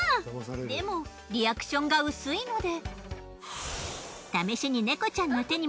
でもリアクションが薄いので。